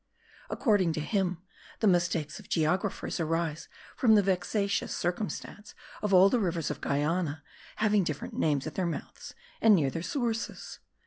According to him, the mistakes of geographers arise from the vexatious circumstance of all the rivers of Guiana having different names at their mouths and near their sources.